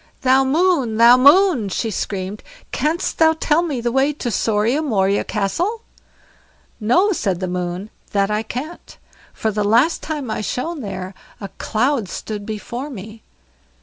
"THOU MOON, THOU MOON", she screamed, "canst thou tell me the way to SORIA MORIA CASTLE?" "No", said the Moon, "that I can't, for the last time I shone there a cloud stood before me."